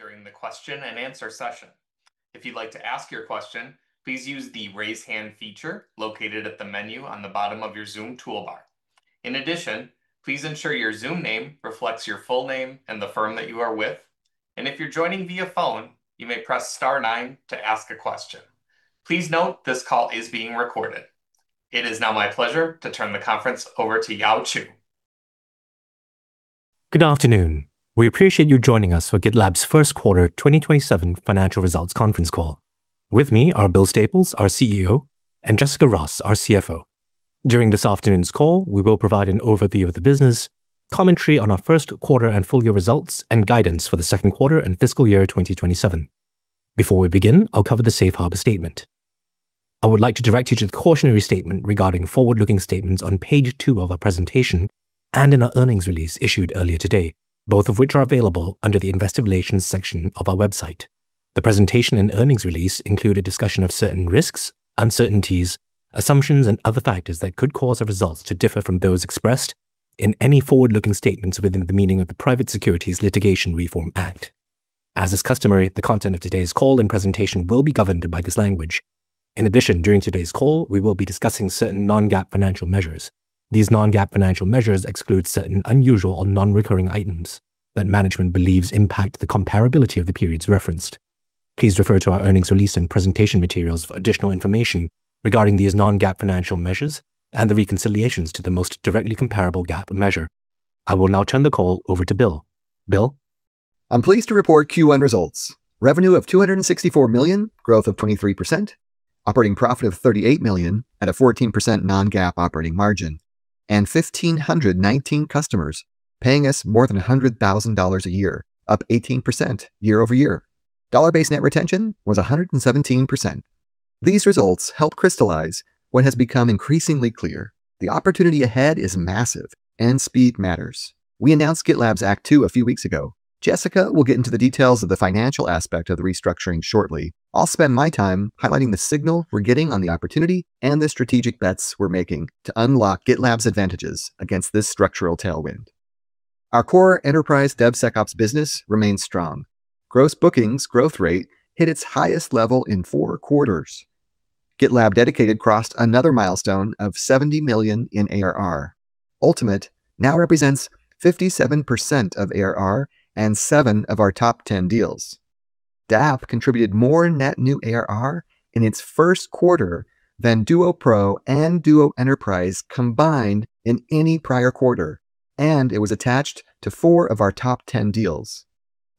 During the question and answer session. If you'd like to ask your question, please use the raise hand feature located at the menu on the bottom of your Zoom toolbar. In addition, please ensure your Zoom name reflects your full name and the firm that you are with. If you're joining via phone, you may press star nine to ask a question. Please note this call is being recorded. It is now my pleasure to turn the conference over to Yaoxian Chew. Good afternoon. We appreciate you joining us for GitLab's first quarter 2027 financial results conference call. With me are Bill Staples, our CEO, and Jessica Ross, our CFO. During this afternoon's call, we will provide an overview of the business, commentary on our first quarter and full year results, and guidance for the second quarter and fiscal year 2027. Before we begin, I'll cover the safe harbor statement. I would like to direct you to the cautionary statement regarding forward-looking statements on page two of our presentation and in our earnings release issued earlier today, both of which are available under the investor relations section of our website. The presentation and earnings release include a discussion of certain risks, uncertainties, assumptions, and other factors that could cause our results to differ from those expressed in any forward-looking statements within the meaning of the Private Securities Litigation Reform Act. As is customary, the content of today's call and presentation will be governed by this language. During today's call, we will be discussing certain non-GAAP financial measures. These non-GAAP financial measures exclude certain unusual or non-recurring items that management believes impact the comparability of the periods referenced. Please refer to our earnings release and presentation materials for additional information regarding these non-GAAP financial measures and the reconciliations to the most directly comparable GAAP measure. I will now turn the call over to Bill. Bill? I'm pleased to report Q1 results. Revenue of $264 million, growth of 23%, operating profit of $38 million at a 14% non-GAAP operating margin, and 1,519 customers paying us more than $100,000 a year, up 18% year-over-year. Dollar-based net retention was 117%. These results help crystallize what has become increasingly clear. The opportunity ahead is massive, and speed matters. We announced GitLab's Act Two a few weeks ago. Jessica will get into the details of the financial aspect of the restructuring shortly. I'll spend my time highlighting the signal we're getting on the opportunity and the strategic bets we're making to unlock GitLab's advantages against this structural tailwind. Our core enterprise DevSecOps business remains strong. Gross bookings growth rate hit its highest level in four quarters. GitLab Dedicated crossed another milestone of $70 million in ARR. Ultimate now represents 57% of ARR and seven of our top 10 deals. DAP contributed more net new ARR in its first quarter than Duo Pro and Duo Enterprise combined in any prior quarter, and it was attached to four of our top 10 deals.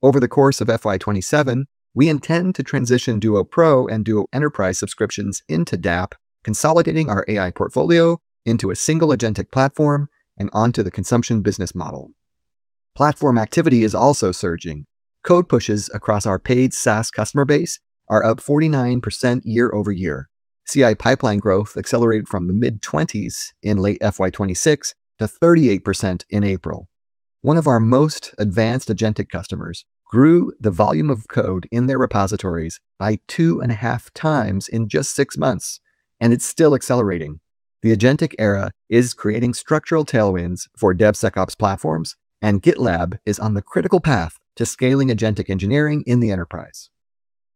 Over the course of FY 2027, we intend to transition Duo Pro and Duo Enterprise subscriptions into DAP, consolidating our AI portfolio into a single agentic platform and onto the consumption business model. Platform activity is also surging. Code pushes across our paid SaaS customer base are up 49% year-over-year. CI pipeline growth accelerated from the mid-20s in late FY 2026 to 38% in April. One of our most advanced agentic customers grew the volume of code in their repositories by two and a half times in just six months, and it's still accelerating. The agentic era is creating structural tailwinds for DevSecOps platforms. GitLab is on the critical path to scaling agentic engineering in the enterprise.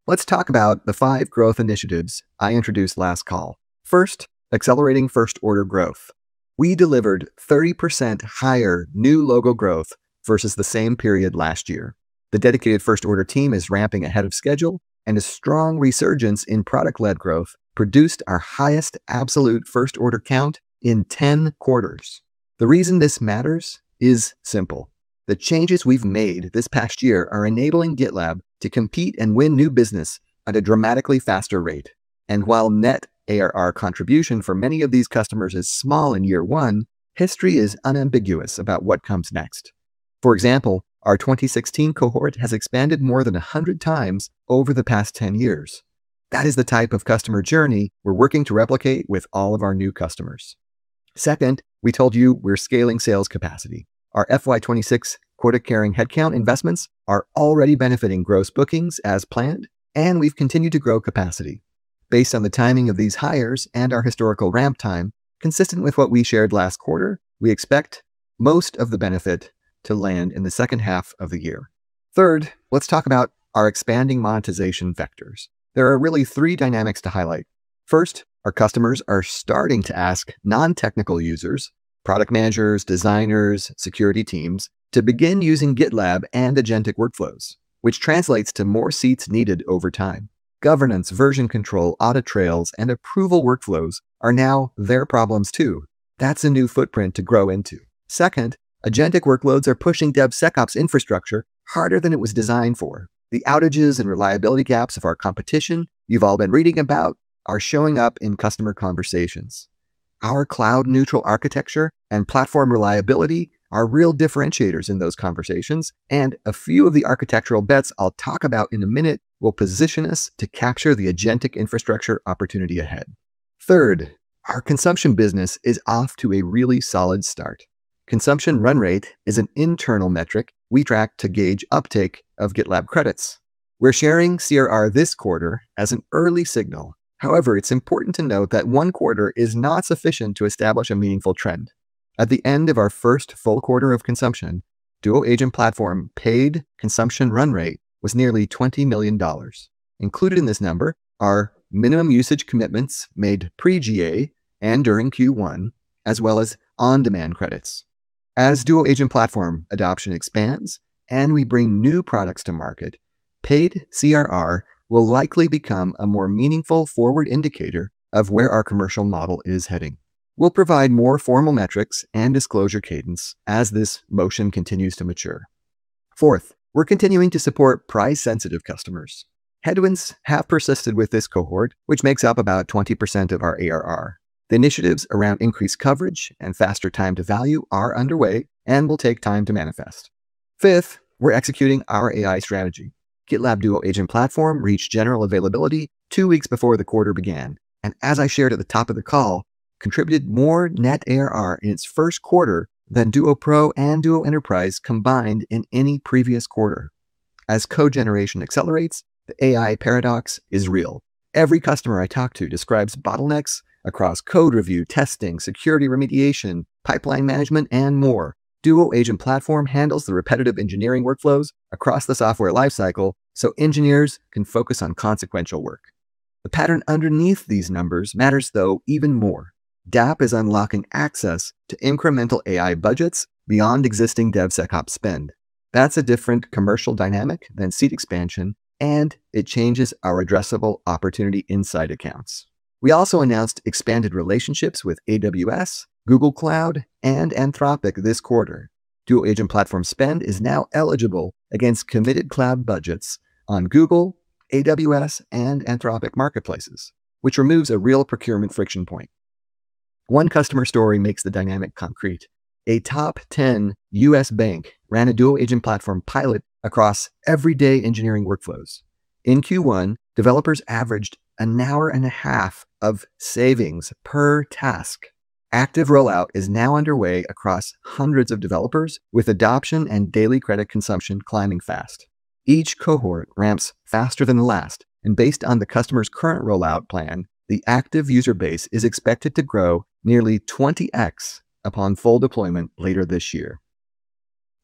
Let's talk about the five growth initiatives I introduced last call. First, accelerating first-order growth. We delivered 30% higher new logo growth versus the same period last year. The dedicated first order team is ramping ahead of schedule, and a strong resurgence in product-led growth produced our highest absolute first order count in 10 quarters. The reason this matters is simple. The changes we've made this past year are enabling GitLab to compete and win new business at a dramatically faster rate. While net ARR contribution for many of these customers is small in year one, history is unambiguous about what comes next. For example, our 2016 cohort has expanded more than 100 times over the past 10 years. That is the type of customer journey we're working to replicate with all of our new customers. Second, we told you we're scaling sales capacity. Our FY 2026 quota-carrying headcount investments are already benefiting gross bookings as planned, and we've continued to grow capacity. Based on the timing of these hires and our historical ramp time, consistent with what we shared last quarter, we expect most of the benefit to land in the second half of the year. Third, let's talk about our expanding monetization vectors. There are really three dynamics to highlight. First, our customers are starting to ask non-technical users, product managers, designers, security teams, to begin using GitLab and agentic workflows, which translates to more seats needed over time. Governance, version control, audit trails, and approval workflows are now their problems too. That's a new footprint to grow into. Second, agentic workloads are pushing DevSecOps infrastructure harder than it was designed for. The outages and reliability gaps of our competition you've all been reading about are showing up in customer conversations. Our cloud-neutral architecture and platform reliability are real differentiators in those conversations, and a few of the architectural bets I'll talk about in a minute will position us to capture the agentic infrastructure opportunity ahead. Third, our consumption business is off to a really solid start. Consumption run rate is an internal metric we track to gauge uptake of GitLab credits. We're sharing CRR this quarter as an early signal. However, it's important to note that one quarter is not sufficient to establish a meaningful trend. At the end of our first full quarter of consumption, Duo Agent Platform paid consumption run rate was nearly $20 million. Included in this number are minimum usage commitments made pre-GA and during Q1, as well as on-demand credits. As Duo Agent Platform adoption expands and we bring new products to market, paid CRR will likely become a more meaningful forward indicator of where our commercial model is heading. We'll provide more formal metrics and disclosure cadence as this motion continues to mature. We're continuing to support price-sensitive customers. Headwinds have persisted with this cohort, which makes up about 20% of our ARR. The initiatives around increased coverage and faster time to value are underway and will take time to manifest. We're executing our AI strategy. GitLab Duo Agent Platform reached general availability two weeks before the quarter began, and as I shared at the top of the call, contributed more net ARR in its first quarter than Duo Pro and Duo Enterprise combined in any previous quarter. As code generation accelerates, the AI paradox is real. Every customer I talk to describes bottlenecks across code review, testing, security remediation, pipeline management, and more. Duo Agent Platform handles the repetitive engineering workflows across the software lifecycle so engineers can focus on consequential work. The pattern underneath these numbers matters, though, even more. DAP is unlocking access to incremental AI budgets beyond existing DevSecOps spend. That's a different commercial dynamic than seat expansion. It changes our addressable opportunity inside accounts. We also announced expanded relationships with AWS, Google Cloud, and Anthropic this quarter. Duo Agent Platform spend is now eligible against committed cloud budgets on Google, AWS, and Anthropic marketplaces, which removes a real procurement friction point. One customer story makes the dynamic concrete. A top 10 U.S. bank ran a Duo Agent Platform pilot across everyday engineering workflows. In Q1, developers averaged an hour and a half of savings per task. Active rollout is now underway across hundreds of developers, with adoption and daily credit consumption climbing fast. Each cohort ramps faster than the last, and based on the customer's current rollout plan, the active user base is expected to grow nearly 20X upon full deployment later this year.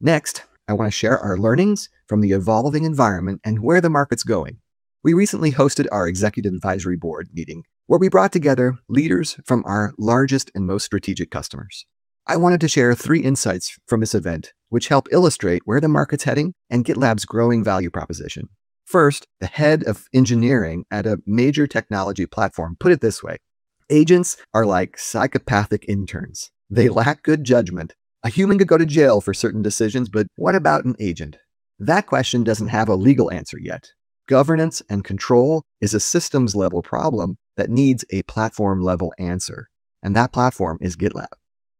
Next, I want to share our learnings from the evolving environment and where the market's going. We recently hosted our executive advisory board meeting, where we brought together leaders from our largest and most strategic customers. I wanted to share three insights from this event, which help illustrate where the market's heading and GitLab's growing value proposition. First, the head of engineering at a major technology platform put it this way: "Agents are like psychopathic interns. They lack good judgment. A human could go to jail for certain decisions, but what about an agent?" That question doesn't have a legal answer yet. Governance and control is a systems-level problem that needs a platform-level answer, and that platform is GitLab.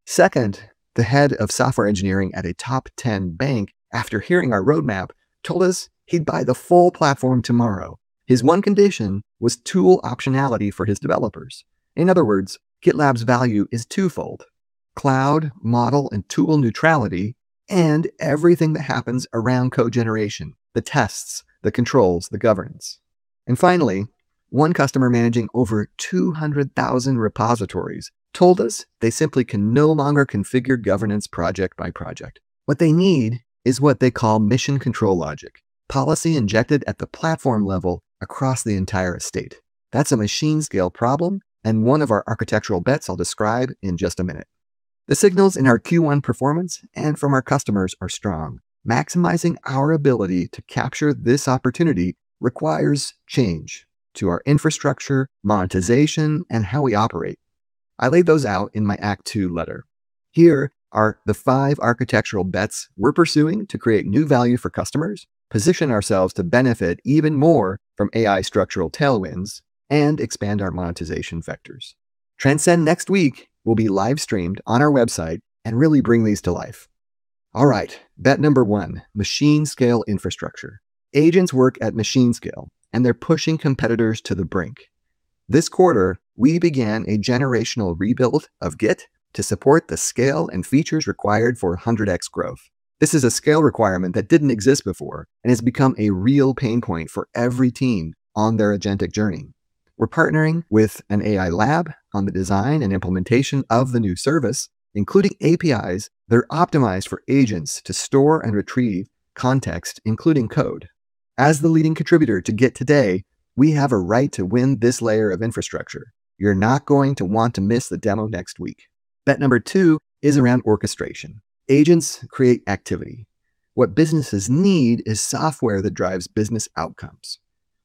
Second, the head of software engineering at a top 10 bank, after hearing our roadmap, told us he'd buy the full platform tomorrow. His one condition was tool optionality for his developers. In other words, GitLab's value is twofold: cloud, model, and tool neutrality, and everything that happens around code generation, the tests, the controls, the governance. Finally, one customer managing over 200,000 repositories told us they simply can no longer configure governance project by project. What they need is what they call mission control logic, policy injected at the platform level across the entire estate. That's a machine-scale problem and one of our architectural bets I'll describe in just a minute. The signals in our Q1 performance and from our customers are strong. Maximizing our ability to capture this opportunity requires change to our infrastructure, monetization, and how we operate. I laid those out in my Act Two letter. Here are the five architectural bets we're pursuing to create new value for customers, position ourselves to benefit even more from AI structural tailwinds, and expand our monetization vectors. Transcend next week will be livestreamed on our website and really bring these to life. All right, bet number one, machine-scale infrastructure. Agents work at machine scale, they're pushing competitors to the brink. This quarter, we began a generational rebuild of Git to support the scale and features required for 100X growth. This is a scale requirement that didn't exist before and has become a real pain point for every team on their agentic journey. We're partnering with an AI lab on the design and implementation of the new service, including APIs that are optimized for agents to store and retrieve context, including code. As the leading contributor to Git today, we have a right to win this layer of infrastructure. You're not going to want to miss the demo next week. Bet number 2 is around orchestration. Agents create activity. What businesses need is software that drives business outcomes.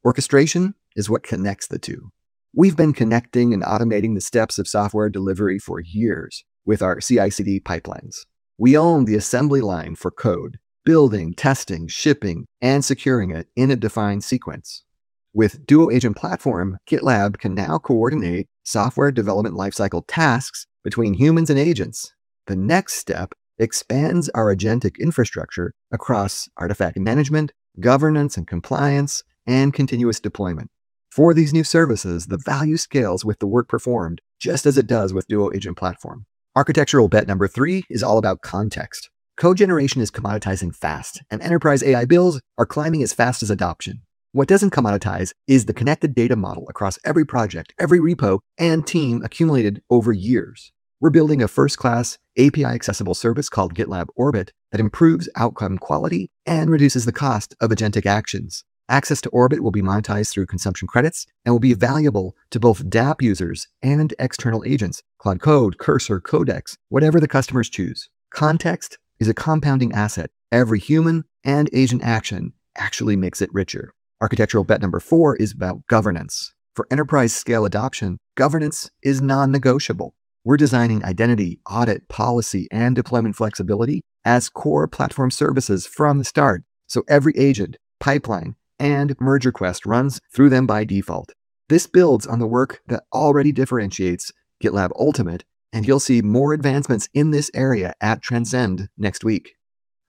Orchestration is what connects the two. We've been connecting and automating the steps of software delivery for years with our CI/CD pipelines. We own the assembly line for code, building, testing, shipping, and securing it in a defined sequence. With Duo Agent Platform, GitLab can now coordinate software development lifecycle tasks between humans and agents. The next step expands our agentic infrastructure across artifact management, governance and compliance, and continuous deployment. For these new services, the value scales with the work performed just as it does with Duo Agent Platform. Architectural bet number three is all about context. Code generation is commoditizing fast, and enterprise AI bills are climbing as fast as adoption. What doesn't commoditize is the connected data model across every project, every repo, and team accumulated over years. We're building a first-class API-accessible service called GitLab Orbit that improves outcome quality and reduces the cost of agentic actions. Access to Orbit will be monetized through consumption credits and will be valuable to both DAP users and external agents, Cloud Code, Cursor, Codex, whatever the customers choose. Context is a compounding asset. Every human and agent action actually makes it richer. Architectural bet number 4 is about governance. For enterprise-scale adoption, governance is non-negotiable. We're designing identity, audit, policy, and deployment flexibility as core platform services from the start, so every agent, pipeline, and merge request runs through them by default. This builds on the work that already differentiates GitLab Ultimate, and you'll see more advancements in this area at Transcend next week.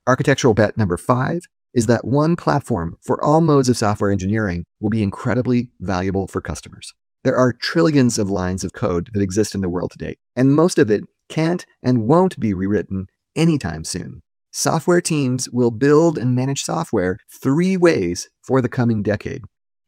Architectural bet number 5 is that one platform for all modes of software engineering will be incredibly valuable for customers. There are trillions of lines of code that exist in the world today, and most of it can't and won't be rewritten anytime soon. Software teams will build and manage software three ways for the coming decade.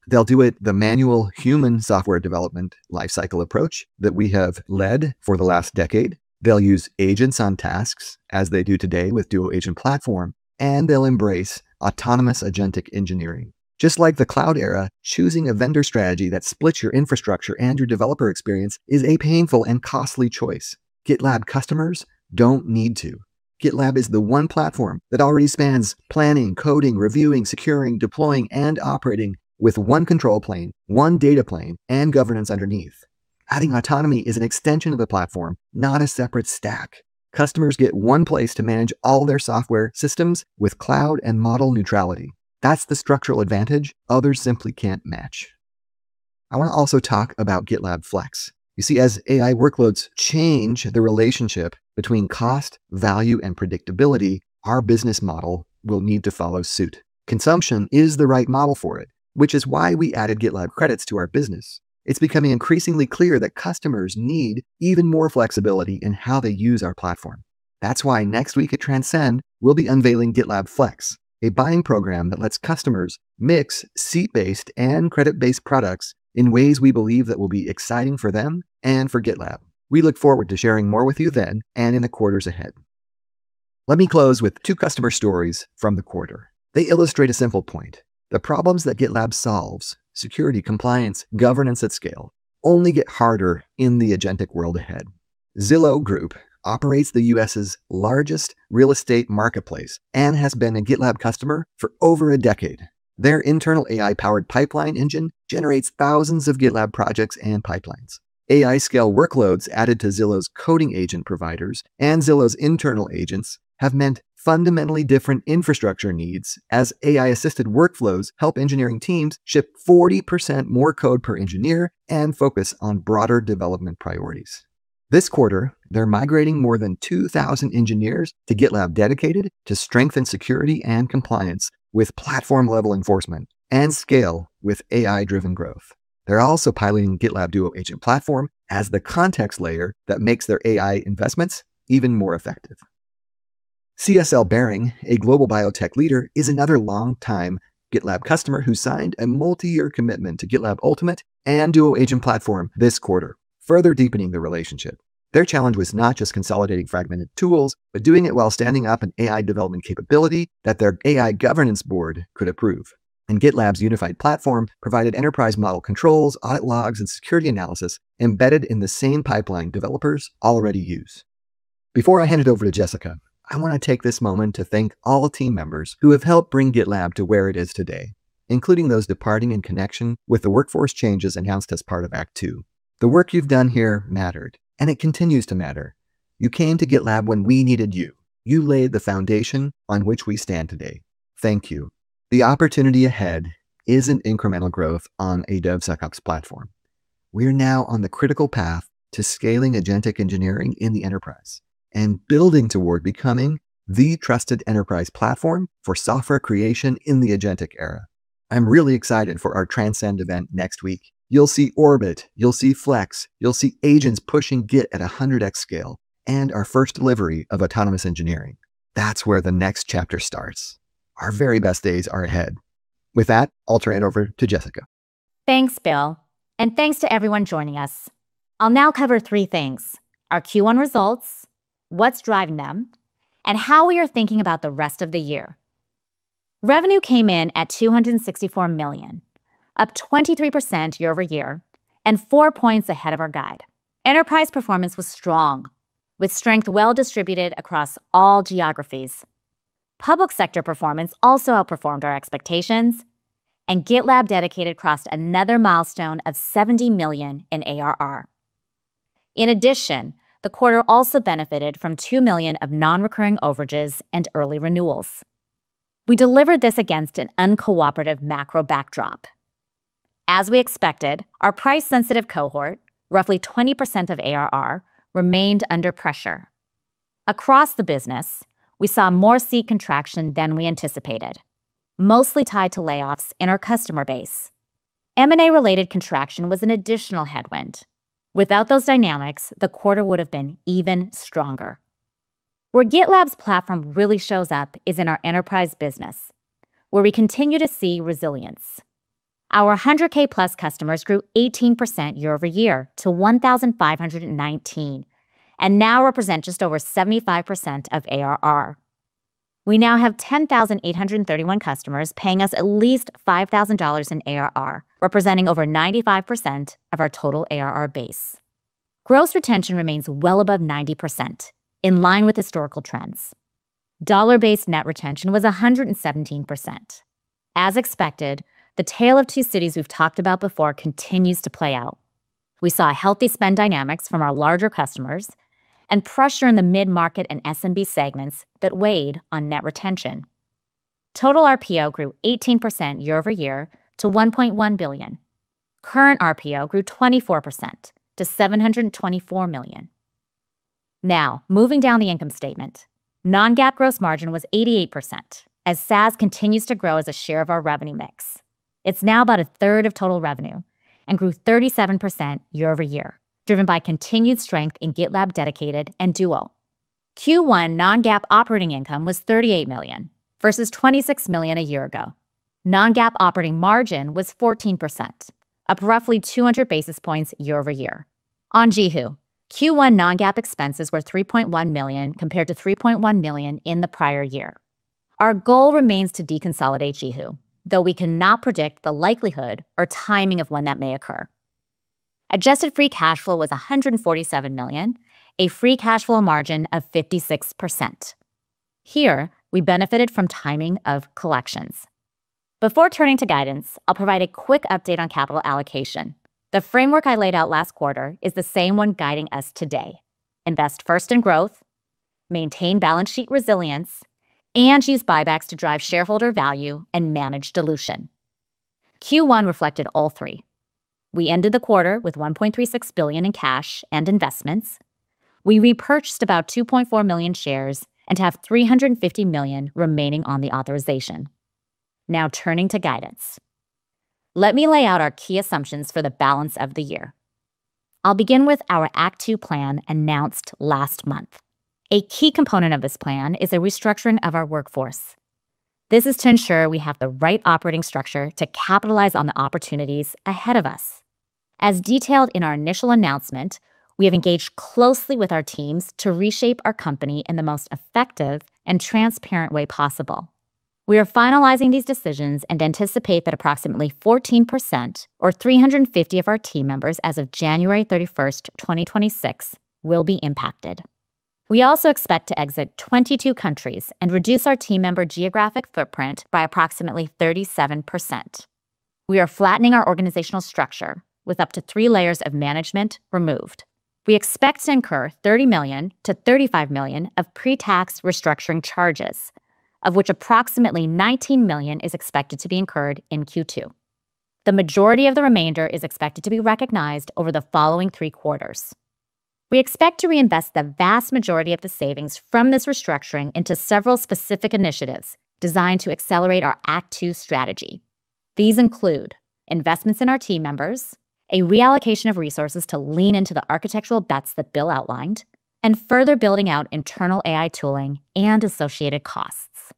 They'll do it the manual human software development life cycle approach that we have led for the last decade. They'll use agents on tasks as they do today with Duo Agent Platform, and they'll embrace autonomous agentic engineering. Just like the cloud era, choosing a vendor strategy that splits your infrastructure and your developer experience is a painful and costly choice. GitLab customers don't need to. GitLab is the one platform that already spans planning, coding, reviewing, securing, deploying, and operating with one control plane, one data plane, and governance underneath. Adding autonomy is an extension of the platform, not a separate stack. Customers get one place to manage all their software systems with cloud and model neutrality. That's the structural advantage others simply can't match. I want to also talk about GitLab Flex. You see, as AI workloads change the relationship between cost, value, and predictability, our business model will need to follow suit. Consumption is the right model for it, which is why we added GitLab Credits to our business. It's becoming increasingly clear that customers need even more flexibility in how they use our platform. That's why next week at GitLab Transcend, we'll be unveiling GitLab Flex, a buying program that lets customers mix seat-based and credit-based products in ways we believe that will be exciting for them and for GitLab. We look forward to sharing more with you then and in the quarters ahead. Let me close with two customer stories from the quarter. They illustrate a simple point. The problems that GitLab solves, security, compliance, governance at scale, only get harder in the agentic world ahead. Zillow Group operates the U.S.'s largest real estate marketplace and has been a GitLab customer for over a decade. Their internal AI-powered pipeline engine generates thousands of GitLab projects and pipelines. AI scale workloads added to Zillow's coding agent providers and Zillow's internal agents have meant fundamentally different infrastructure needs as AI-assisted workflows help engineering teams ship 40% more code per engineer and focus on broader development priorities. This quarter, they're migrating more than 2,000 engineers to GitLab Dedicated to strengthen security and compliance with platform-level enforcement and scale with AI-driven growth. They're also piloting GitLab Duo Agent Platform as the context layer that makes their AI investments even more effective. CSL Behring, a global biotech leader, is another long-time GitLab customer who signed a multi-year commitment to GitLab Ultimate and Duo Agent Platform this quarter, further deepening the relationship. Their challenge was not just consolidating fragmented tools but doing it while standing up an AI development capability that their AI governance board could approve. GitLab's unified platform provided enterprise model controls, audit logs, and security analysis embedded in the same pipeline developers already use. Before I hand it over to Jessica, I want to take this moment to thank all team members who have helped bring GitLab to where it is today, including those departing in connection with the workforce changes announced as part of Act Two. The work you've done here mattered, and it continues to matter. You came to GitLab when we needed you. You laid the foundation on which we stand today. Thank you. The opportunity ahead isn't incremental growth on a DevSecOps platform. We are now on the critical path to scaling agentic engineering in the enterprise and building toward becoming the trusted enterprise platform for software creation in the agentic era. I'm really excited for our Transcend event next week. You'll see Orbit, you'll see Flex, you'll see agents pushing Git at 100x scale, and our first delivery of autonomous engineering. That's where the next chapter starts. Our very best days are ahead. With that, I'll turn it over to Jessica. Thanks, Bill. Thanks to everyone joining us. I'll now cover three things: our Q1 results, what's driving them, and how we are thinking about the rest of the year. Revenue came in at $264 million, up 23% year-over-year, and four points ahead of our guide. Enterprise performance was strong, with strength well-distributed across all geographies. Public Sector performance also outperformed our expectations, and GitLab Dedicated crossed another milestone of $70 million in ARR. In addition, the quarter also benefited from $2 million of non-recurring overages and early renewals. We delivered this against an uncooperative macro backdrop. As we expected, our price-sensitive cohort, roughly 20% of ARR, remained under pressure. Across the business, we saw more seat contraction than we anticipated, mostly tied to layoffs in our customer base. M&A-related contraction was an additional headwind. Without those dynamics, the quarter would have been even stronger. Where GitLab's platform really shows up is in our enterprise business, where we continue to see resilience. Our 100K-plus customers grew 18% year-over-year to 1,519, and now represent just over 75% of ARR. We now have 10,831 customers paying us at least $5,000 in ARR, representing over 95% of our total ARR base. Gross retention remains well above 90%, in line with historical trends. Dollar-based net retention was 117%. As expected, the tale of two cities we've talked about before continues to play out. We saw healthy spend dynamics from our larger customers and pressure in the mid-market and SMB segments that weighed on net retention. Total RPO grew 18% year-over-year to $1.1 billion. Current RPO grew 24% to $724 million. Moving down the income statement. Non-GAAP gross margin was 88%, as SaaS continues to grow as a share of our revenue mix. It's now about a third of total revenue and grew 37% year-over-year, driven by continued strength in GitLab Dedicated and Duo. Q1 non-GAAP operating income was $38 million versus $26 million a year ago. Non-GAAP operating margin was 14%, up roughly 200 basis points year-over-year. On JiHu, Q1 non-GAAP expenses were $3.1 million compared to $3.1 million in the prior year. Our goal remains to deconsolidate JiHu, though we cannot predict the likelihood or timing of when that may occur. Adjusted free cash flow was $147 million, a free cash flow margin of 56%. Here, we benefited from timing of collections. Before turning to guidance, I'll provide a quick update on capital allocation. The framework I laid out last quarter is the same one guiding us today. Invest first in growth, maintain balance sheet resilience, and use buybacks to drive shareholder value and manage dilution. Q1 reflected all three. We ended the quarter with $1.36 billion in cash and investments. We repurchased about 2.4 million shares and have $350 million remaining on the authorization. Turning to guidance. Let me lay out our key assumptions for the balance of the year. I'll begin with our Act Two plan announced last month. A key component of this plan is a restructuring of our workforce. This is to ensure we have the right operating structure to capitalize on the opportunities ahead of us. As detailed in our initial announcement, we have engaged closely with our teams to reshape our company in the most effective and transparent way possible. We are finalizing these decisions and anticipate that approximately 14%, or 350 of our team members as of January 31st, 2026, will be impacted. We also expect to exit 22 countries and reduce our team member geographic footprint by approximately 37%. We are flattening our organizational structure with up to three layers of management removed. We expect to incur $30 million-$35 million of pre-tax restructuring charges, of which approximately $19 million is expected to be incurred in Q2. The majority of the remainder is expected to be recognized over the following three quarters. We expect to reinvest the vast majority of the savings from this restructuring into several specific initiatives designed to accelerate our Act Two strategy. These include investments in our team members, a reallocation of resources to lean into the architectural bets that Bill outlined, and further building out internal AI tooling and associated costs.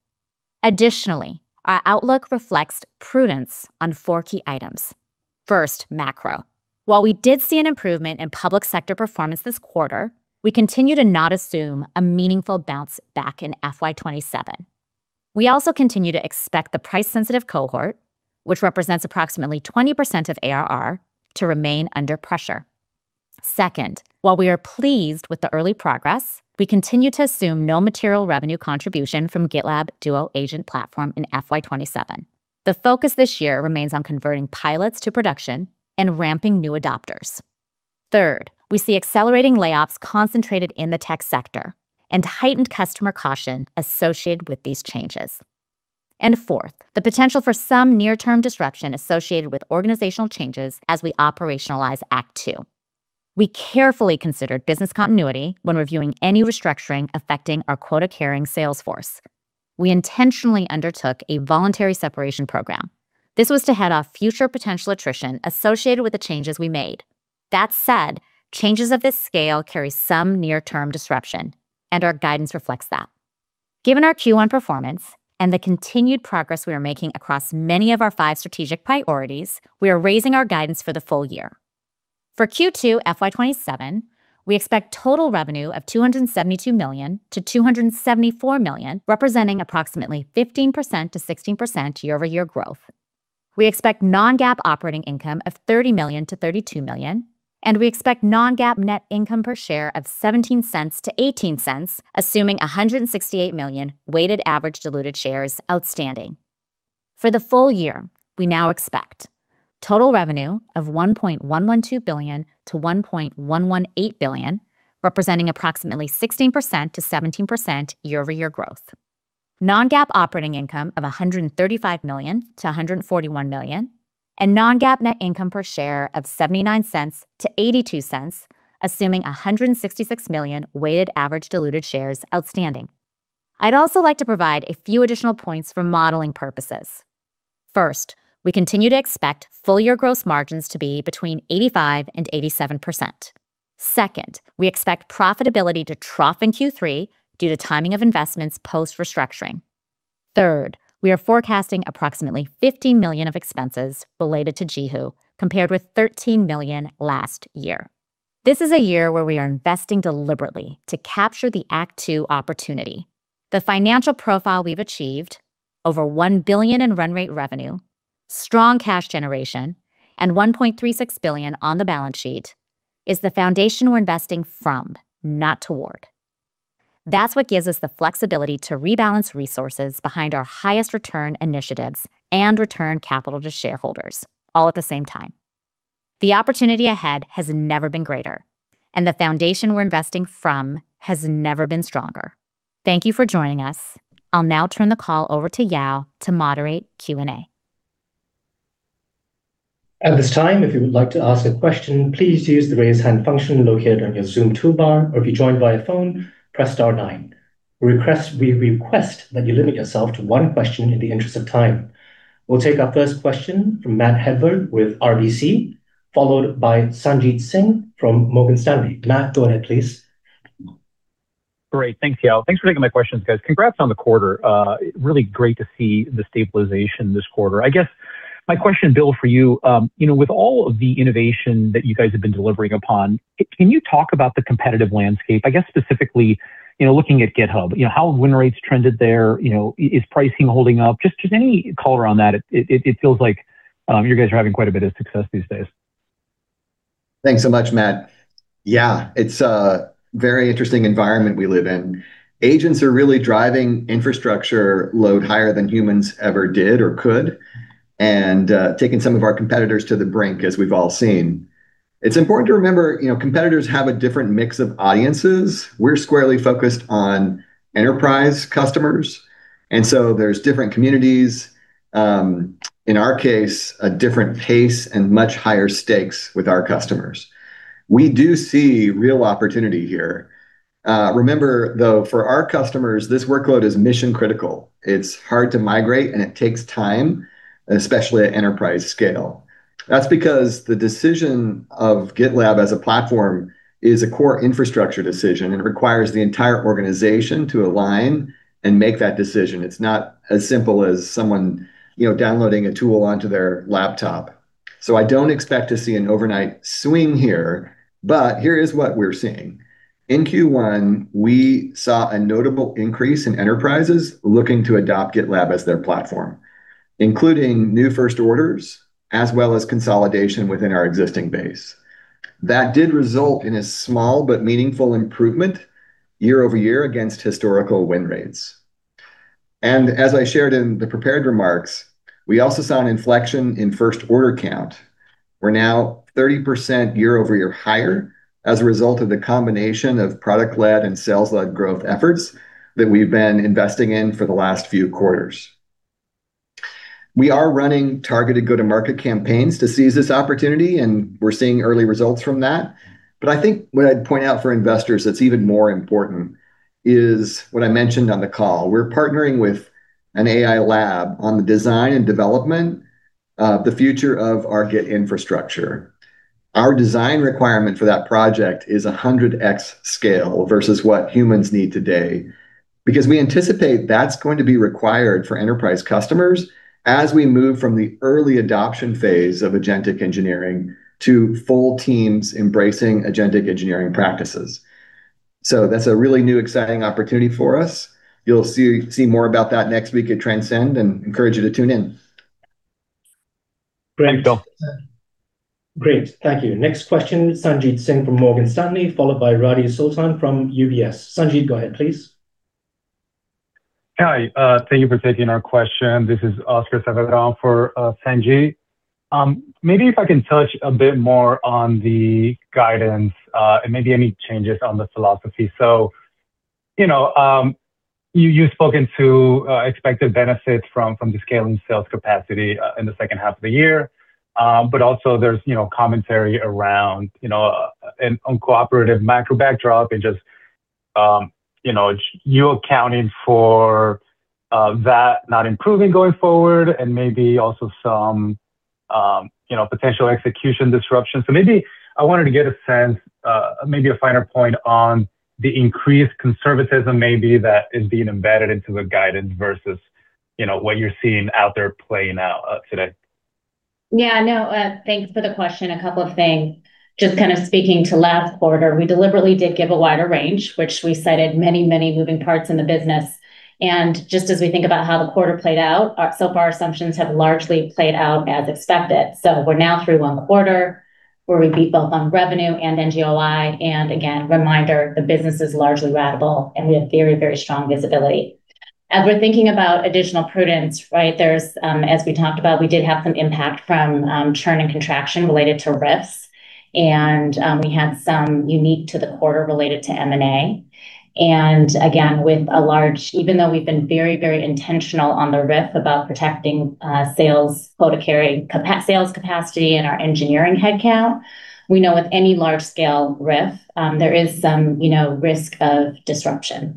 Additionally, our outlook reflects prudence on four key items. First, macro. While we did see an improvement in public sector performance this quarter, we continue to not assume a meaningful bounce back in FY 2027. We also continue to expect the price-sensitive cohort, which represents approximately 20% of ARR, to remain under pressure. Second, while we are pleased with the early progress, we continue to assume no material revenue contribution from GitLab Duo Agent Platform in FY 2027. The focus this year remains on converting pilots to production and ramping new adopters. Third, we see accelerating layoffs concentrated in the tech sector and heightened customer caution associated with these changes. Fourth, the potential for some near-term disruption associated with organizational changes as we operationalize Act Two. We carefully considered business continuity when reviewing any restructuring affecting our quota-carrying sales force. We intentionally undertook a voluntary separation program. This was to head off future potential attrition associated with the changes we made. That said, changes of this scale carry some near-term disruption, and our guidance reflects that. Given our Q1 performance and the continued progress we are making across many of our five strategic priorities, we are raising our guidance for the full year. For Q2 FY 2027, we expect total revenue of $272 million-$274 million, representing approximately 15%-16% year-over-year growth. We expect non-GAAP operating income of $30 million-$32 million, and we expect non-GAAP net income per share of $0.17-$0.18, assuming 168 million weighted average diluted shares outstanding. For the full year, we now expect total revenue of $1.112 billion-$1.118 billion, representing approximately 16%-17% year-over-year growth, non-GAAP operating income of $135 million-$141 million, and non-GAAP net income per share of $0.79-$0.82, assuming 166 million weighted average diluted shares outstanding. I'd also like to provide a few additional points for modeling purposes. First, we continue to expect full-year gross margins to be between 85% and 87%. Second, we expect profitability to trough in Q3 due to timing of investments post-restructuring. Third, we are forecasting approximately $50 million of expenses related to JiHu, compared with $13 million last year. This is a year where we are investing deliberately to capture the Act Two opportunity. The financial profile we've achieved, over $1 billion in run rate revenue, strong cash generation, and $1.36 billion on the balance sheet, is the foundation we're investing from, not toward. That's what gives us the flexibility to rebalance resources behind our highest return initiatives and return capital to shareholders, all at the same time. The opportunity ahead has never been greater, the foundation we're investing from has never been stronger. Thank you for joining us. I'll now turn the call over to Yao to moderate Q&A. At this time, if you would like to ask a question, please use the raise hand function located on your Zoom toolbar. Or if you joined by phone, press star nine. We request that you limit yourself to one question in the interest of time. We'll take our first question from Matthew Hedberg with RBC, followed by Sanjit Singh from Morgan Stanley. Matt, go ahead, please. Great. Thanks, Yao. Thanks for taking my questions, guys. Congrats on the quarter. Really great to see the stabilization this quarter. My question, Bill, for you, with all of the innovation that you guys have been delivering upon, can you talk about the competitive landscape? Specifically, looking at GitHub, how have win rates trended there? Is pricing holding up? Any color on that. It feels like you guys are having quite a bit of success these days. Thanks so much, Matt. Yeah, it's a very interesting environment we live in. Agents are really driving infrastructure load higher than humans ever did or could, and taking some of our competitors to the brink, as we've all seen. It's important to remember, competitors have a different mix of audiences. We're squarely focused on enterprise customers, there's different communities. In our case, a different pace and much higher stakes with our customers. We do see real opportunity here. Remember, though, for our customers, this workload is mission critical. It's hard to migrate, and it takes time, especially at enterprise scale. That's because the decision of GitLab as a platform is a core infrastructure decision. It requires the entire organization to align and make that decision. It's not as simple as someone downloading a tool onto their laptop. I don't expect to see an overnight swing here, but here is what we're seeing. In Q1, we saw a notable increase in enterprises looking to adopt GitLab as their platform, including new first orders, as well as consolidation within our existing base. That did result in a small but meaningful improvement year-over-year against historical win rates. As I shared in the prepared remarks, we also saw an inflection in first order count. We're now 30% year-over-year higher as a result of the combination of product-led and sales-led growth efforts that we've been investing in for the last few quarters. We are running targeted go-to-market campaigns to seize this opportunity, and we're seeing early results from that. I think what I'd point out for investors that's even more important is what I mentioned on the call. We're partnering with an AI lab on the design and development of the future of our Git infrastructure. Our design requirement for that project is 100x scale versus what humans need today, because we anticipate that's going to be required for enterprise customers as we move from the early adoption phase of agentic engineering to full teams embracing agentic engineering practices. That's a really new, exciting opportunity for us. You'll see more about that next week at Transcend, and encourage you to tune in. Great. Great. Thank you. Next question, Sanjit Singh from Morgan Stanley, followed by Radi Sultan from UBS. Sanjit, go ahead, please. Hi. Thank you for taking our question. This is Oscar Severon for Sanjit. Maybe if I can touch a bit more on the guidance, and maybe any changes on the philosophy. Also there's commentary around uncooperative macro backdrop and just you accounting for that not improving going forward and maybe also some potential execution disruption. Maybe I wanted to get a sense, maybe a finer point on the increased conservatism maybe that is being embedded into the guidance versus what you're seeing out there playing out today. Yeah. No, thanks for the question. A couple of things. Just speaking to last quarter, we deliberately did give a wider range, which we cited many, many moving parts in the business. Just as we think about how the quarter played out, so far assumptions have largely played out as expected. We're now through on the quarter where we beat both on revenue and NGOI, and again, reminder, the business is largely ratable and we have very, very strong visibility. As we're thinking about additional prudence, as we talked about, we did have some impact from churn and contraction related to RIFs, and we had some unique to the quarter related to M&A. Again, even though we've been very intentional on the RIF about protecting sales quota carry, sales capacity, and our engineering headcount, we know with any large-scale RIF, there is some risk of disruption.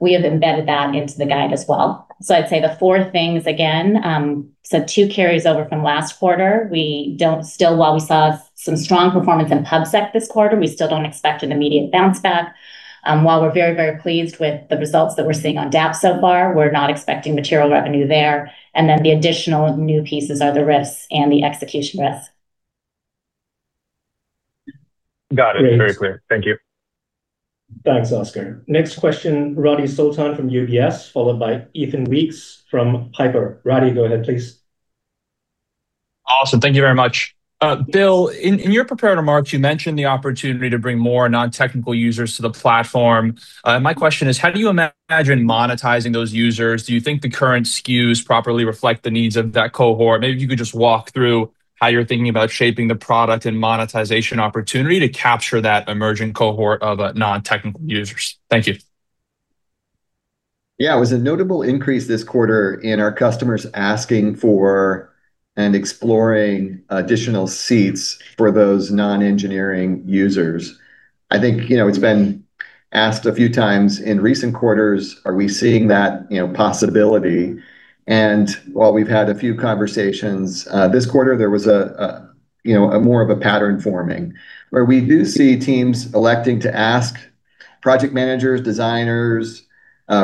We have embedded that into the guide as well. I'd say the four things again, said two carries over from last quarter. While we saw some strong performance in PubSec this quarter, we still don't expect an immediate bounce back. While we're very pleased with the results that we're seeing on DAP so far, we're not expecting material revenue there. The additional new pieces are the RIFs and the execution RIFs. Got it. Great. Very clear. Thank you. Thanks, Oscar. Next question, Radi Sultan from UBS, followed by Ethan Weeks from Piper. Radi, go ahead, please. Awesome. Thank you very much. Bill, in your prepared remarks, you mentioned the opportunity to bring more non-technical users to the platform. My question is, how do you imagine monetizing those users? Do you think the current SKUs properly reflect the needs of that cohort? Maybe if you could just walk through how you're thinking about shaping the product and monetization opportunity to capture that emerging cohort of non-technical users. Thank you. Yeah. It was a notable increase this quarter in our customers asking for and exploring additional seats for those non-engineering users. I think, it's been asked a few times in recent quarters, are we seeing that possibility? While we've had a few conversations, this quarter, there was more of a pattern forming, where we do see teams electing to ask project managers, designers,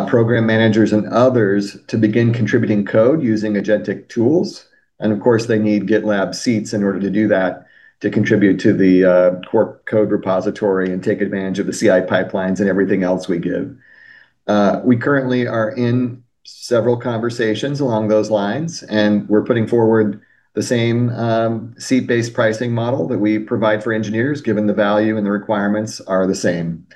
program managers, and others to begin contributing code using agentic tools. Of course, they need GitLab seats in order to do that, to contribute to the core code repository and take advantage of the CI pipelines and everything else we give. We currently are in several conversations along those lines, and we're putting forward the same seat-based pricing model that we provide for engineers, given the value and the requirements are the same.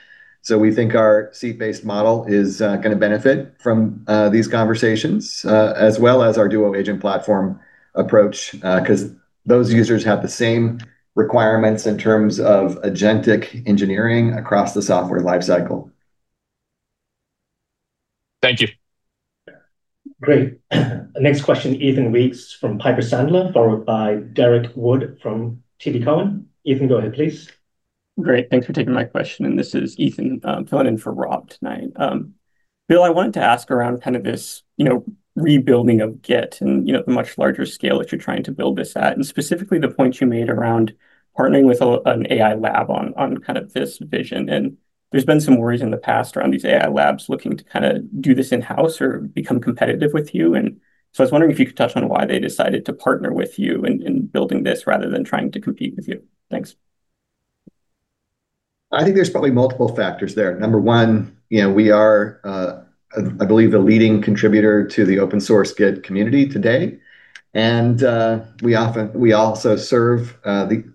We think our seat-based model is going to benefit from these conversations, as well as our Duo Agent Platform approach, because those users have the same requirements in terms of agentic engineering across the software life cycle. Thank you. Great. Next question, Ethan Weeks from Piper Sandler, followed by Derek Wood from TD Cowen. Ethan, go ahead, please. Great. Thanks for taking my question. This is Ethan filling in for Rob tonight. Bill, I wanted to ask around this rebuilding of Git and the much larger scale that you're trying to build this at, and specifically the point you made around partnering with an AI lab on this vision. There's been some worries in the past around these AI labs looking to do this in-house or become competitive with you. I was wondering if you could touch on why they decided to partner with you in building this rather than trying to compete with you. Thanks. I think there's probably multiple factors there. Number one, we are, I believe, the leading contributor to the open source Git community today. We also serve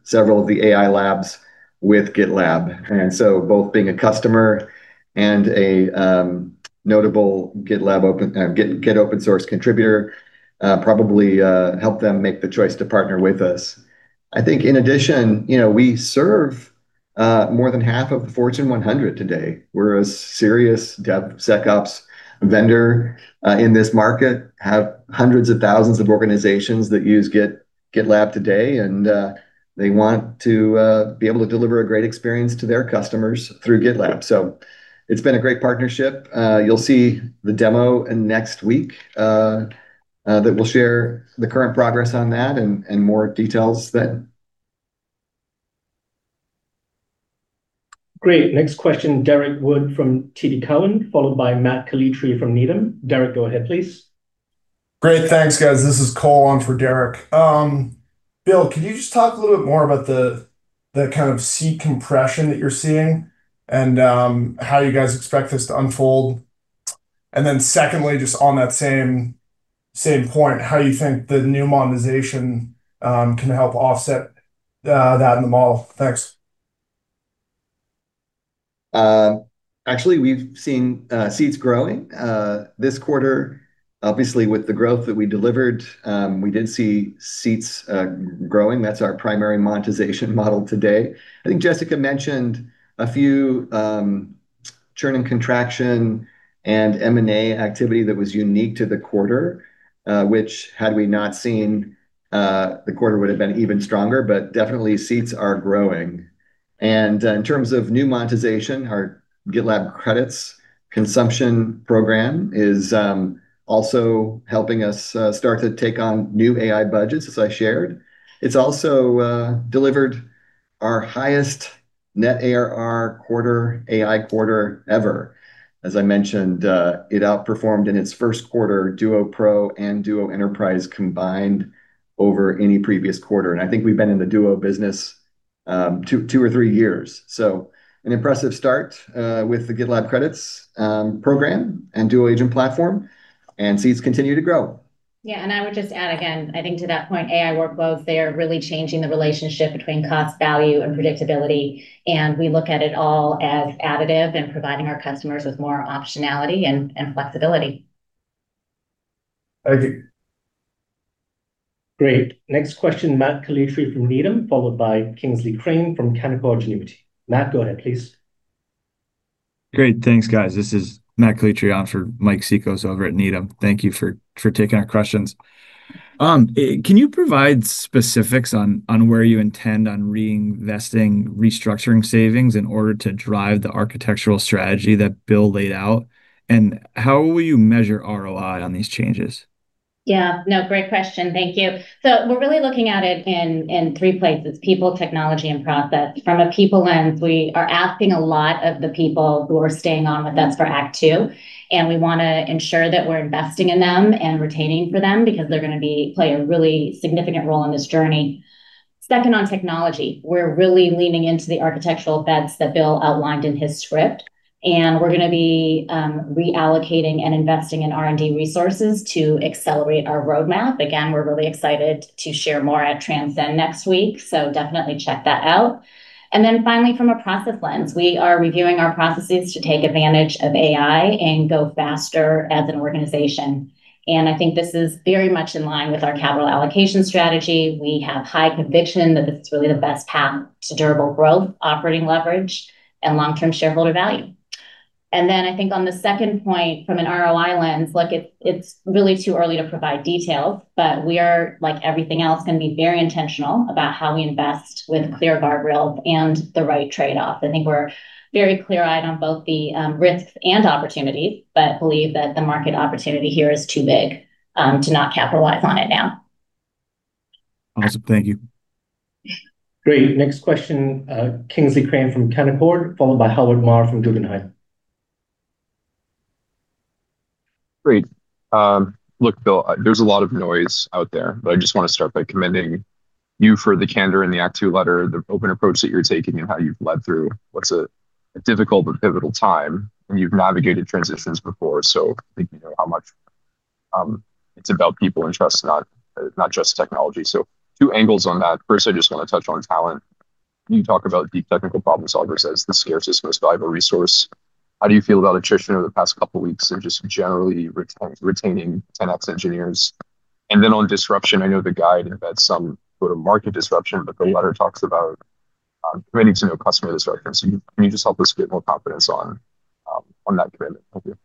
several of the AI labs with GitLab. Both being a customer and a notable Git open source contributor probably helped them make the choice to partner with us. I think in addition, we serve more than half of the Fortune 100 today. We're a serious DevSecOps vendor in this market, have hundreds of thousands of organizations that use GitLab today, and they want to be able to deliver a great experience to their customers through GitLab. It's been a great partnership. You'll see the demo next week that we'll share the current progress on that and more details then. Great. Next question, Derek Wood from TD Cowen, followed by Matt Calitri from Needham. Derek, go ahead, please. Great. Thanks, guys. This is Cole on for Derek. Bill, could you just talk a little bit more about the seat compression that you're seeing and how you guys expect this to unfold? Secondly, just on that same point, how you think the new monetization can help offset that in the model. Thanks. Actually, we've seen seats growing this quarter. Obviously, with the growth that we delivered, we did see seats growing. That's our primary monetization model today. I think Jessica mentioned a few churn and contraction and M&A activity that was unique to the quarter, which had we not seen, the quarter would've been even stronger. Definitely seats are growing. In terms of new monetization, our GitLab credits consumption program is also helping us start to take on new AI budgets, as I shared. It's also delivered our highest net ARR quarter, AI quarter ever. As I mentioned, it outperformed in its first quarter, Duo Pro and Duo Enterprise combined over any previous quarter. I think we've been in the Duo business two or three years. An impressive start with the GitLab credits program and Duo Agent Platform, and seats continue to grow. Yeah, I would just add again, I think to that point, AI workloads, they are really changing the relationship between cost, value, and predictability. We look at it all as additive and providing our customers with more optionality and flexibility. Thank you. Great. Next question, Matt Calitri from Needham & Company, followed by Kingsley Crane from Canaccord Genuity. Matt, go ahead, please. Great. Thanks, guys. This is Matthew Calitri on for Mike Cikos over at Needham. Thank you for taking our questions. Can you provide specifics on where you intend on reinvesting restructuring savings in order to drive the architectural strategy that Bill laid out? How will you measure ROI on these changes? No, great question. Thank you. We're really looking at it in three places: people, technology, and process. From a people lens, we are asking a lot of the people who are staying on with us for Act Two, and we want to ensure that we're investing in them and retaining for them because they're going to play a really significant role in this journey. Second, on technology, we're really leaning into the architectural bets that Bill outlined in his script, and we're going to be reallocating and investing in R&D resources to accelerate our roadmap. Again, we're really excited to share more at Transcend next week, so definitely check that out. Finally, from a process lens, we are reviewing our processes to take advantage of AI and go faster as an organization. I think this is very much in line with our capital allocation strategy. We have high conviction that this is really the best path to durable growth, operating leverage, and long-term shareholder value. I think on the second point, from an ROI lens, look, it's really too early to provide details, but we are, like everything else, going to be very intentional about how we invest with clear guardrails and the right trade-off. I think we're very clear-eyed on both the risks and opportunities, but believe that the market opportunity here is too big to not capitalize on it now. Awesome. Thank you. Great. Next question, Kingsley Crane from Canaccord, followed by Howard Ma from Guggenheim. Great. Look, Bill, there's a lot of noise out there. I just want to start by commending you for the candor in the Act Two letter, the open approach that you're taking, and how you've led through what's a difficult but pivotal time. You've navigated transitions before, I think you know how much it's about people and trust, not just technology. Two angles on that. First, I just want to touch on talent. You talk about deep technical problem solvers as the scarcest, most valuable resource. How do you feel about attrition over the past couple of weeks and just generally retaining 10X engineers? On disruption, I know the guide had some sort of market disruption, but the letter talks about committing to no customer disruption. Can you just help us get more confidence on that commitment? Thank you.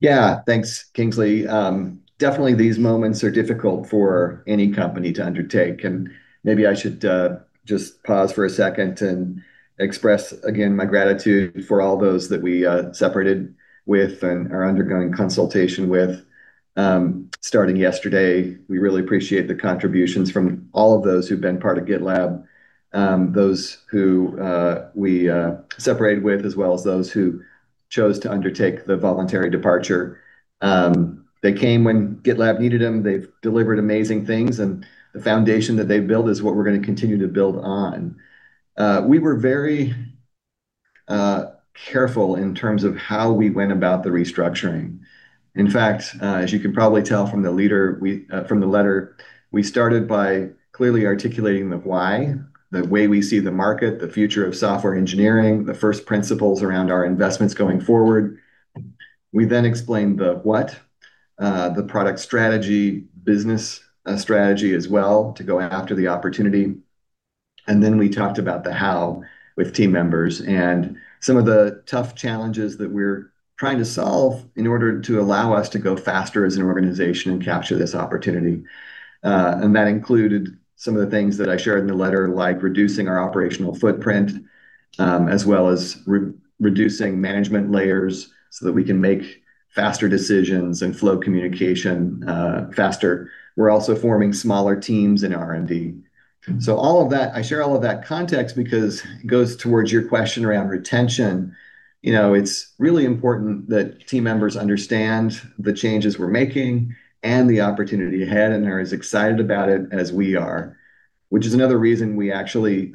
Yeah. Thanks, Kingsley. Definitely, these moments are difficult for any company to undertake, and maybe I should just pause for a second and express again my gratitude for all those that we separated with and are undergoing consultation with starting yesterday. We really appreciate the contributions from all of those who've been part of GitLab, those who we separated with, as well as those who chose to undertake the voluntary departure. They came when GitLab needed them. They've delivered amazing things, and the foundation that they've built is what we're going to continue to build on. We were very careful in terms of how we went about the restructuring. In fact, as you can probably tell from the letter, we started by clearly articulating the why, the way we see the market, the future of software engineering, the first principles around our investments going forward. We then explained the what, the product strategy, business strategy as well, to go after the opportunity. Then we talked about the how with team members and some of the tough challenges that we're trying to solve in order to allow us to go faster as an organization and capture this opportunity. That included some of the things that I shared in the letter, like reducing our operational footprint, as well as reducing management layers so that we can make faster decisions and flow communication faster. We're also forming smaller teams in R&D. All of that, I share all of that context because it goes towards your question around retention. It's really important that team members understand the changes we're making and the opportunity ahead and are as excited about it as we are. Which is another reason we actually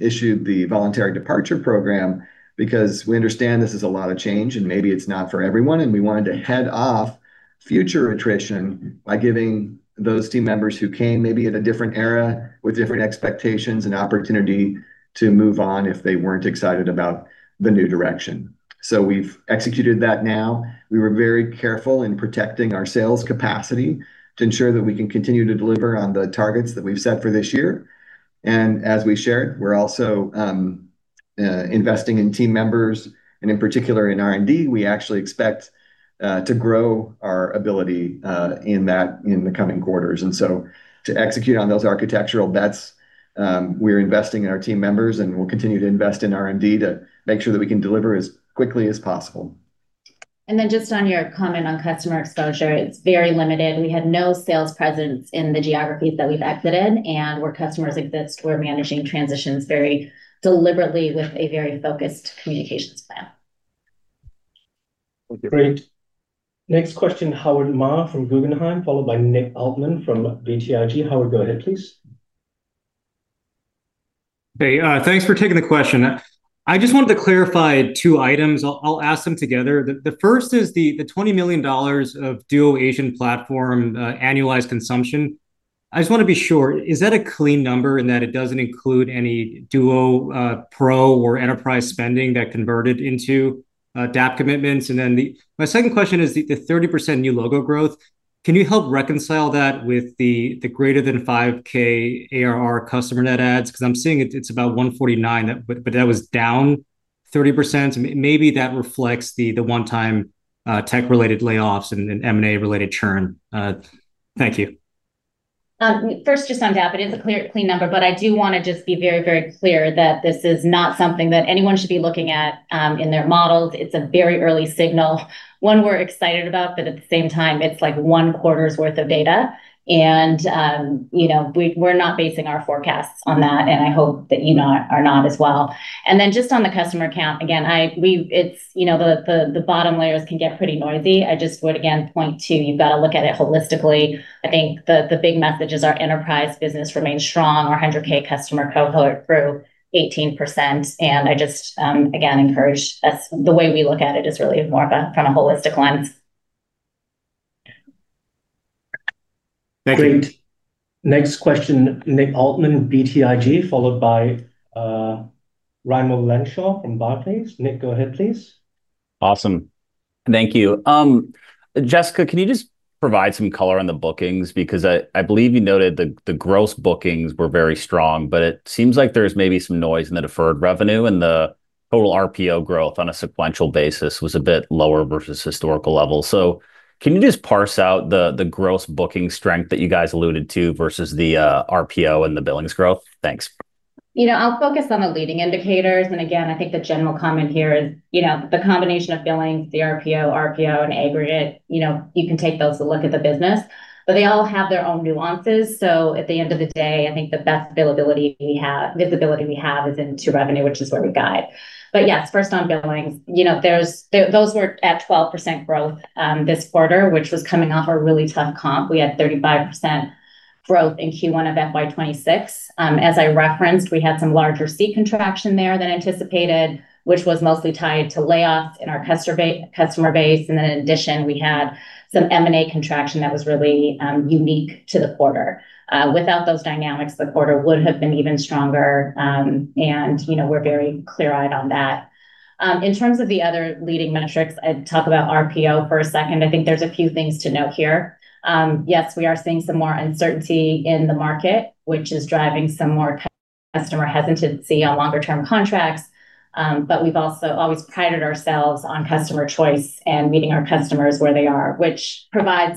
issued the voluntary departure program, because we understand this is a lot of change, and maybe it's not for everyone, and we wanted to head off future attrition by giving those team members who came maybe at a different era with different expectations an opportunity to move on if they weren't excited about the new direction. We've executed that now. We were very careful in protecting our sales capacity to ensure that we can continue to deliver on the targets that we've set for this year. As we shared, we're also investing in team members, and in particular in R&D. We actually expect to grow our ability in the coming quarters. To execute on those architectural bets, we're investing in our team members, and we'll continue to invest in R&D to make sure that we can deliver as quickly as possible. Just on your comment on customer exposure, it's very limited. We had no sales presence in the geographies that we've exited, and where customers exist, we're managing transitions very deliberately with a very focused communications plan. Thank you. Great. Next question, Howard Ma from Guggenheim, followed by Nick Altmann from BTIG. Howard, go ahead, please. Hey, thanks for taking the question. I just wanted to clarify two items. I'll ask them together. The first is the $20 million of Duo Agent Platform annualized consumption. I just want to be sure, is that a clean number in that it doesn't include any Duo Pro or Enterprise spending that converted into DAP commitments? My second question is the 30% new logo growth, can you help reconcile that with the greater than 5K ARR customer net adds? I'm seeing it's about 149, but that was down 30%. Maybe that reflects the one-time tech-related layoffs and M&A-related churn. Thank you. Just on DAP, it is a clean number. I do want to just be very clear that this is not something that anyone should be looking at in their models. It's a very early signal, one we're excited about. At the same time, it's one quarter's worth of data. We're not basing our forecasts on that. I hope that you are not as well. Just on the customer count, again, the bottom layers can get pretty noisy. I just would again point to you've got to look at it holistically. I think the big message is our enterprise business remains strong. Our 100K customer cohort grew 18%. I just, again, encourage that the way we look at it is really more from a holistic lens. Thank you. Great. Next question, Nick Altmann, BTIG, followed by Raimo Lenschow from Barclays. Nick, go ahead please. Awesome. Thank you. Jessica, can you just provide some color on the bookings? I believe you noted the gross bookings were very strong, but it seems like there's maybe some noise in the deferred revenue, and the total RPO growth on a sequential basis was a bit lower versus historical levels. Can you just parse out the gross booking strength that you guys alluded to versus the RPO and the billings growth? Thanks. I'll focus on the leading indicators, and again, I think the general comment here is the combination of billings, cRPO, RPO, in aggregate, you can take those to look at the business. They all have their own nuances, so at the end of the day, I think the best visibility we have is into revenue, which is where we guide. Yes, first on billings, those were at 12% growth this quarter, which was coming off a really tough comp. We had 35% growth in Q1 of FY 2026. As I referenced, we had some larger seat contraction there than anticipated, which was mostly tied to layoffs in our customer base. Then in addition, we had some M&A contraction that was really unique to the quarter. Without those dynamics, the quarter would have been even stronger. We're very clear-eyed on that. In terms of the other leading metrics, I'd talk about RPO for a second. I think there's a few things to note here. Yes, we are seeing some more uncertainty in the market, which is driving some more customer hesitancy on longer-term contracts. We've also always prided ourselves on customer choice and meeting our customers where they are, which providing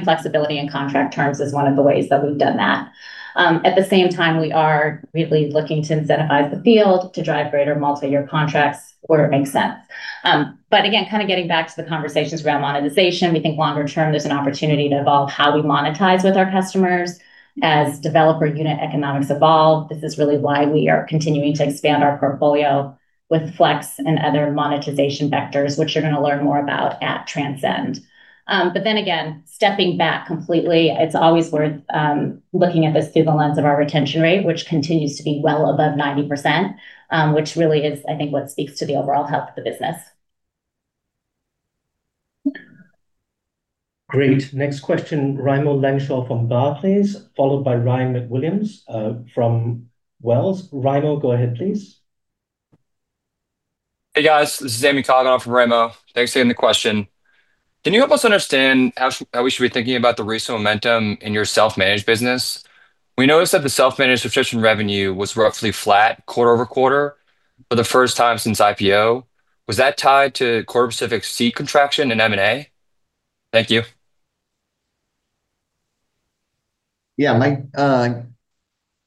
flexibility in contract terms is one of the ways that we've done that. At the same time, we are really looking to incentivize the field to drive greater multi-year contracts where it makes sense. Again, getting back to the conversations around monetization, we think longer term, there's an opportunity to evolve how we monetize with our customers as developer unit economics evolve. This is really why we are continuing to expand our portfolio with Flex and other monetization vectors, which you're going to learn more about at Transcend. Stepping back completely, it's always worth looking at this through the lens of our retention rate, which continues to be well above 90%, which really is, I think, what speaks to the overall health of the business. Great. Next question, Raimo Lenschow from Barclays, followed by Ryan Williams from Wells. Raimo, go ahead please. Hey, guys. This is Amy calling on from Raimo. Thanks for taking the question. Can you help us understand how we should be thinking about the recent momentum in your self-managed business? We noticed that the self-managed subscription revenue was roughly flat quarter-over-quarter for the first time since IPO. Was that tied to cohort-specific seat contraction and M&A? Thank you. Yeah, Mike.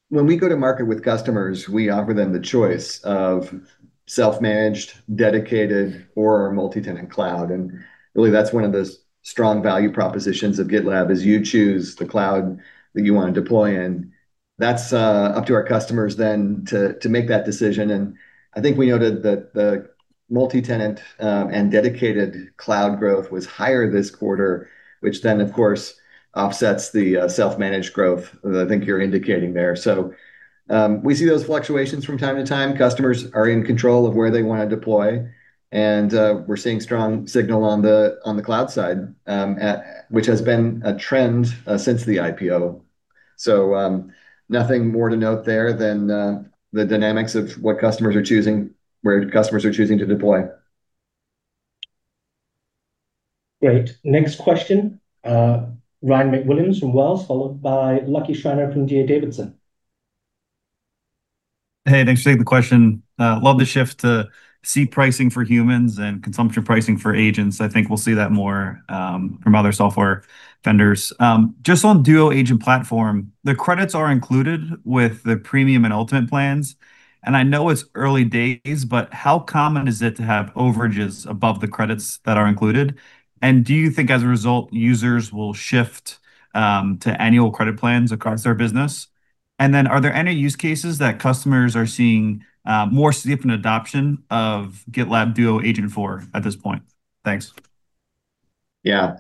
When we go to market with customers, we offer them the choice of self-managed, dedicated, or multi-tenant cloud. Really that's one of the strong value propositions of GitLab is you choose the cloud that you want to deploy in. That's up to our customers then to make that decision. I think we noted that the multi-tenant and dedicated cloud growth was higher this quarter, which then, of course, offsets the self-managed growth that I think you're indicating there. We see those fluctuations from time to time. Customers are in control of where they want to deploy, and we're seeing strong signal on the cloud side, which has been a trend since the IPO. Nothing more to note there than the dynamics of what customers are choosing, where customers are choosing to deploy. Great. Next question, Ryan Williams from Wells, followed by Lucky Schreiner from D.A. Davidson. Hey, thanks for taking the question. Love the shift to seat pricing for humans and consumption pricing for agents. I think we'll see that more from other software vendors. Just on GitLab Duo Agent Platform, the credits are included with the GitLab Premium and GitLab Ultimate plans. I know it's early days, how common is it to have overages above the credits that are included? Do you think as a result, users will shift to annual credit plans across their business? Are there any use cases that customers are seeing more significant adoption of GitLab Duo Agent for at this point? Thanks. Yeah.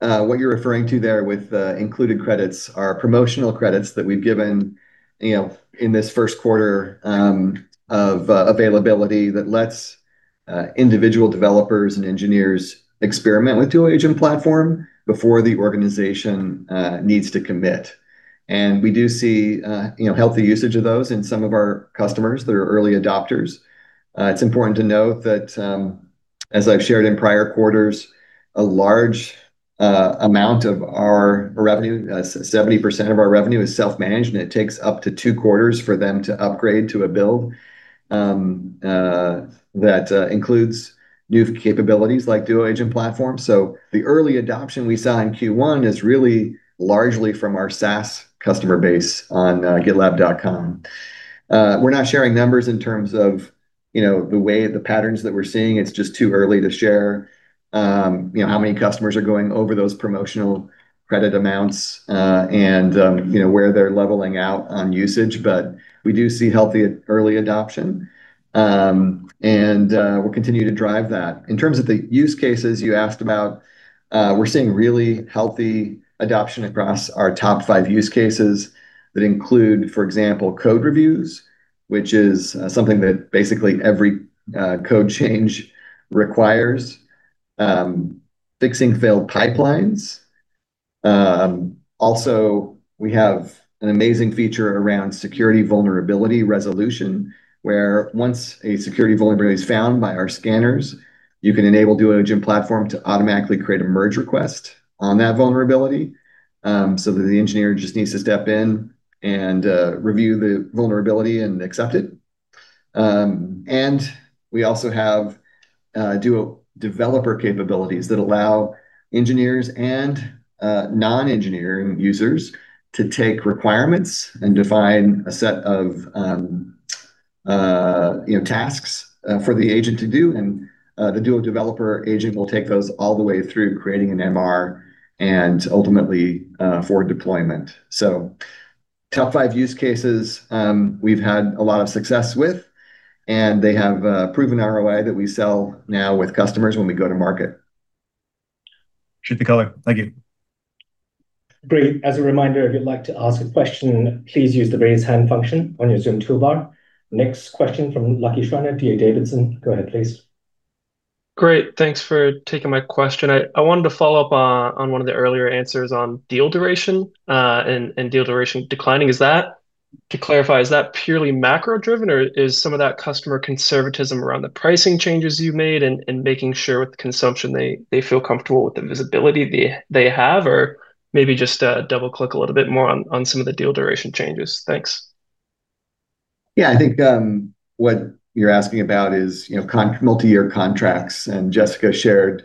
What you're referring to there with the included credits are promotional credits that we've given in this first quarter of availability that lets individual developers and engineers experiment with GitLab Duo Agent Platform before the organization needs to commit. We do see healthy usage of those in some of our customers that are early adopters. It's important to note that, as I've shared in prior quarters, a large amount of our revenue, 70% of our revenue, is self-managed, and it takes up to two quarters for them to upgrade to a build that includes new capabilities like GitLab Duo Agent Platform. The early adoption we saw in Q1 is really largely from our SaaS customer base on GitLab.com. We're not sharing numbers in terms of the way the patterns that we're seeing. It's just too early to share how many customers are going over those promotional credit amounts, and where they're leveling out on usage. We do see healthy early adoption, and we'll continue to drive that. In terms of the use cases you asked about, we're seeing really healthy adoption across our top five use cases that include, for example, code reviews, which is something that basically every code change requires, fixing failed pipelines. Also, we have an amazing feature around security vulnerability resolution, where once a security vulnerability is found by our scanners, you can enable Duo Agent Platform to automatically create a merge request on that vulnerability, so that the engineer just needs to step in and review the vulnerability and accept it. We also have Duo developer capabilities that allow engineers and non-engineering users to take requirements and define a set of tasks for the agent to do, and the Duo developer agent will take those all the way through creating an MR and ultimately for deployment. Top five use cases we've had a lot of success with, and they have proven ROI that we sell now with customers when we go to market. Shoot the color. Thank you. Great. As a reminder, if you'd like to ask a question, please use the raise hand function on your Zoom toolbar. Next question from Lucky Schreiner, D.A. Davidson. Go ahead, please. Great. Thanks for taking my question. I wanted to follow up on one of the earlier answers on deal duration, and deal duration declining. To clarify, is that purely macro-driven, or is some of that customer conservatism around the pricing changes you've made and making sure with the consumption they feel comfortable with the visibility they have? Maybe just double-click a little bit more on some of the deal duration changes. Thanks. Yeah, I think what you're asking about is multiyear contracts, and Jessica shared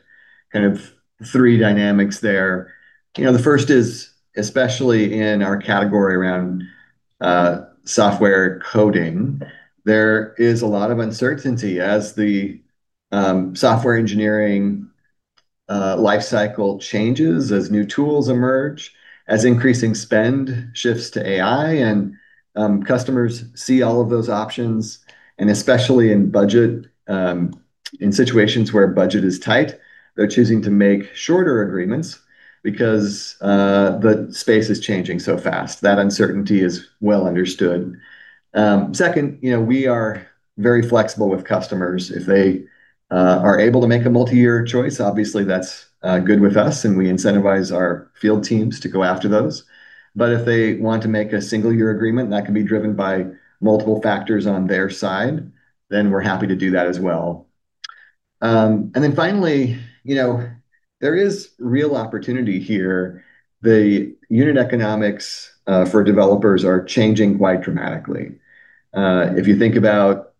kind of three dynamics there. The first is, especially in our category around software coding, there is a lot of uncertainty as the software engineering lifecycle changes, as new tools emerge, as increasing spend shifts to AI, and customers see all of those options, and especially in situations where budget is tight, they're choosing to make shorter agreements because the space is changing so fast. That uncertainty is well understood. Second, we are very flexible with customers. If they are able to make a multi-year choice, obviously that's good with us and we incentivize our field teams to go after those. If they want to make a single-year agreement, that can be driven by multiple factors on their side, then we're happy to do that as well. Finally, there is real opportunity here. The unit economics for developers are changing quite dramatically. If you think about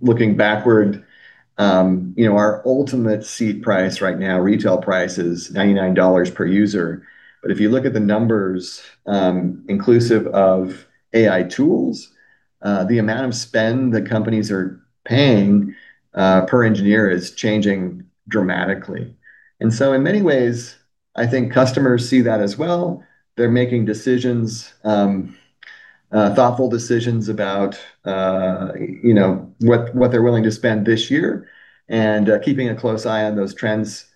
looking backward, our Ultimate seat price right now, retail price, is $99 per user. If you look at the numbers, inclusive of AI tools, the amount of spend that companies are paying per engineer is changing dramatically. In many ways, I think customers see that as well. They're making thoughtful decisions about what they're willing to spend this year and keeping a close eye on those trends,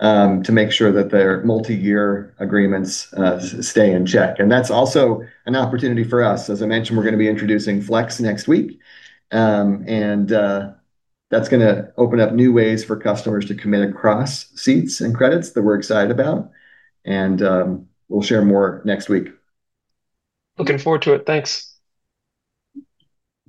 to make sure that their multi-year agreements stay in check. That's also an opportunity for us. As I mentioned, we're going to be introducing Flex next week. That's going to open up new ways for customers to commit across seats and credits that we're excited about, and we'll share more next week. Looking forward to it. Thanks.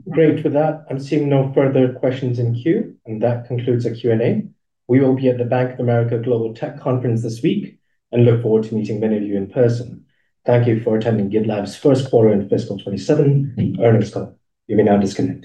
Great. With that, I'm seeing no further questions in queue. That concludes the Q&A. We will be at the Bank of America Global Technology Conference this week. Look forward to meeting many of you in person. Thank you for attending GitLab's first quarter in fiscal year 2027 earnings call. You may now disconnect.